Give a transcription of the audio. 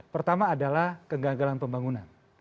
pertama adalah kegagalan pembangunan